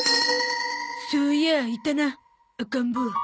そういやいたな赤ん坊。